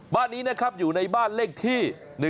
บ้านนี้นะครับอยู่ในบ้านเลขที่๑